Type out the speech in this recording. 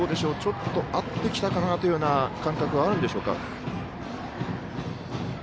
ちょっと合ってきたかなという感覚はあるんでしょうか。